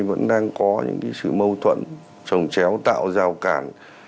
vẫn đang có những sự mâu thuẫn trồng chéo tạo rào cản